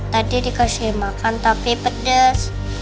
tadi dikasih makan tapi pedas